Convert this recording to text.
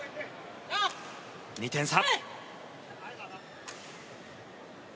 ２点差。